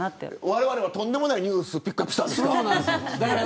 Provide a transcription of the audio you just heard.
われわれはとんでもないニュースをピックアップしたんですね。